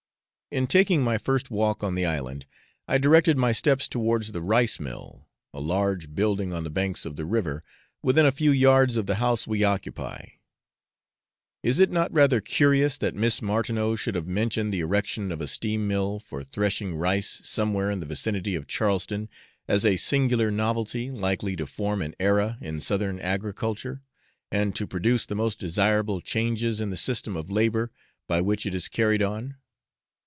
In taking my first walk on the island, I directed my steps towards the rice mill, a large building on the banks of the river, within a few yards of the house we occupy. Is it not rather curious that Miss Martineau should have mentioned the erection of a steam mill for threshing rice somewhere in the vicinity of Charleston as a singular novelty, likely to form an era in Southern agriculture, and to produce the most desirable changes in the system of labour by which it is carried on?